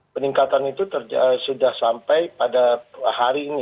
peningkatan itu sudah sampai pada hari ini